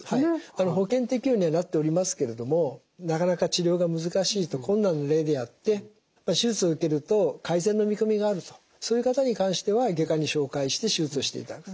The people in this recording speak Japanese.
保険適用にはなっておりますけれどもなかなか治療が難しいと困難の上でやって手術受けると改善の見込みがあるとそういう方に関しては外科に紹介して手術をしていただく。